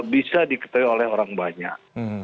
bisa diketahui oleh orang banyak